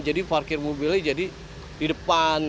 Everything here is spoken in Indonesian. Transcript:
jadi parkir mobilnya jadi di depan